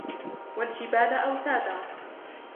وَالْجِبَالَ أَوْتَادًا